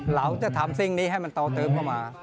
เราจะทำสิ่งนี้ให้มันต่อเติมเข้ามา